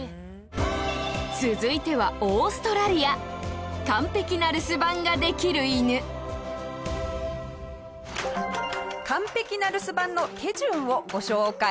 続いては、オーストラリア完璧な留守番ができる犬下平：完璧な留守番の手順をご紹介。